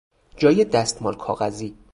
جای دستمال کاغذی